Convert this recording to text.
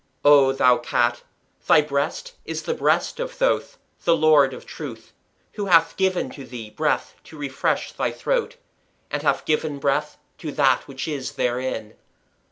O thou Cat, thy breast is the breast of Thoth, the Lord of Truth, who hath given to thee breath to refresh (?) thy throat, and hath given breath to that which is therein.